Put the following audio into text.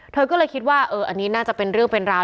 เธอก็เลยคิดว่าอันนี้น่าจะเป็นเรื่องเป็นราว